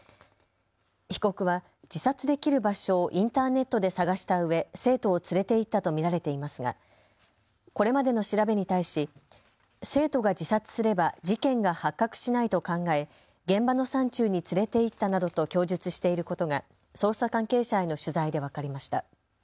被告は自殺できる場所をインターネットで探したうえ生徒を連れて行ったと見られていますがこれまでの調べに対し、生徒が自殺すれば事件が発覚しないと考え現場の山中に連れて行ったなどと供述していることが捜査関係者への取材で分かりました。